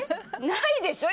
ないでしょ？